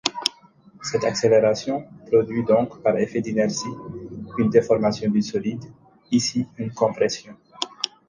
Cette accélération produit donc, par effet d'inertie, une déformation du solide, ici une compression.